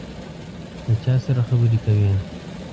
د چا سره خبري کوې ؟